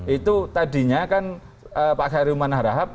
itu tadinya kan pak khairulman harahap